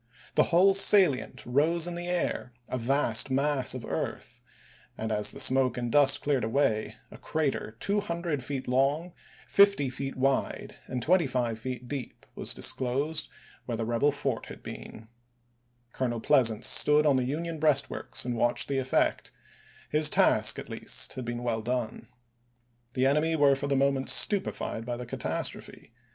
The whole salient rose in the air, a vast mass of earth; and as the smoke and dust cleared away a crater 200 feet long, 50 feet wide, and 25 feet deep was dis closed where the rebel fort had been. Colonel Report of Pleasants stood on the Union breastworks and Lieut: Col. PIRlports* watched the effect ; his task, at least, had been well on conduct d°ne The enemy were for the moment stupefied ofit8^tS.ar' by the catastrophe.